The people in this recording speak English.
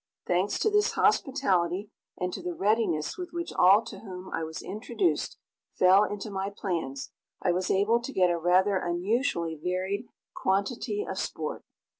Thanks to this hospitality, and to the readiness with which all to whom I was introduced fell into my plans, I was able to get a rather unusually varied quantity of sport.